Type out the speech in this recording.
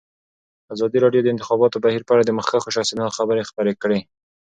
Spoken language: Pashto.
ازادي راډیو د د انتخاباتو بهیر په اړه د مخکښو شخصیتونو خبرې خپرې کړي.